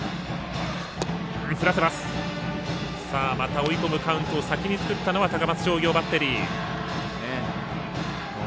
また追い込むカウントを先に作ったのは高松商業バッテリー。